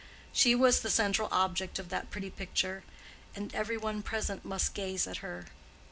She was the central object of that pretty picture, and every one present must gaze at her.